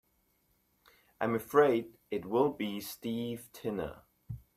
I'm afraid it'll be Steve Tina.